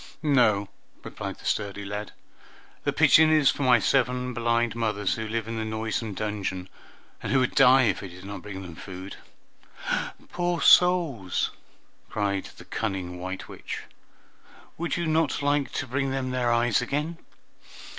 "No," replied the sturdy lad, "the pigeon is for my seven blind mothers, who live in the noisome dungeon, and who would die if I did not bring them food." "Poor souls!" cried the cunning white witch. "Would you not like to bring them their eyes again?